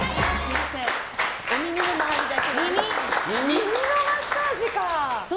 耳のマッサージか。